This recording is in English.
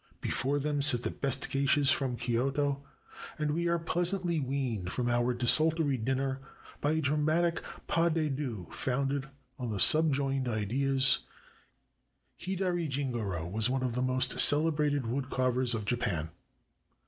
Before them sit the best Geishas from Kioto, and we are pleas antly weaned from our desultory dinner by a dramatic pas de deux founded on the subjoined ideas: Hidari 395 JAPAN Jingoro was one of the most celebrated wood carvers of Japan.